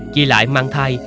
trí lại mang thai